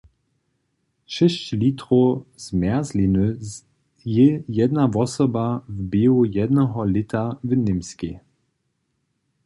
Šěsć litrow zmjerzliny zjě jedna wosoba w běhu jednoho lěta w Němskej.